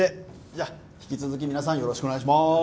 じゃあ引き続き皆さんよろしくお願いします。